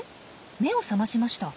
目を覚ましました。